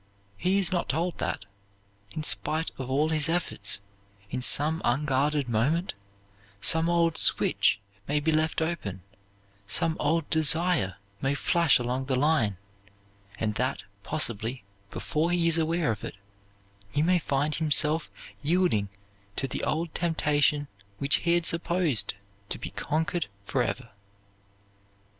He is not told that, in spite of all his efforts, in some unguarded moment, some old switch may be left open, some old desire may flash along the line, and that, possibly before he is aware of it, he may find himself yielding to the old temptation which he had supposed to be conquered forever.